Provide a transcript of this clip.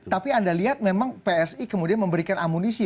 tapi anda lihat memang psi kemudian memberikan amunisi